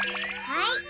はい！